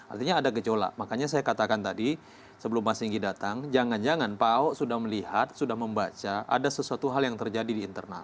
artinya ada gejolak makanya saya katakan tadi sebelum mas singgi datang jangan jangan pak ahok sudah melihat sudah membaca ada sesuatu hal yang terjadi di internal